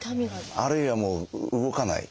あるいはもう動かない。